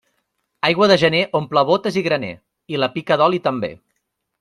Aigua de gener omple bótes i graner, i la pica d'oli també.